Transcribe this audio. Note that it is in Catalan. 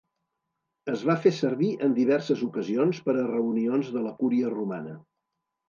Es va fer servir en diverses ocasions per a reunions de la cúria romana.